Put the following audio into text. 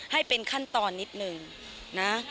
ให้เป็นขั้นตอนนิดนึงนะ